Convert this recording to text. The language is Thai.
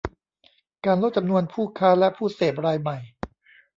การลดจำนวนผู้ค้าและผู้เสพรายใหม่